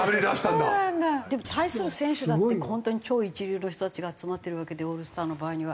でも対する選手だって本当に超一流の人たちが集まってるわけでオールスターの場合には。